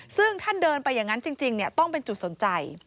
ซึ่งท่านเดินไปอย่างนั้นจริงต้องเป็นจุดสนใจ